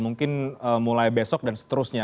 mungkin mulai besok dan seterusnya